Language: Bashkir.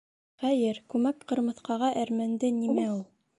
Хәйер, күмәк ҡырмыҫҡаға әрмәнде нимә ул!